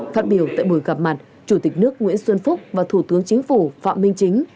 phát biểu tại buổi gặp mặt chủ tịch nước nguyễn xuân phúc và thủ tướng chính phủ phạm minh chính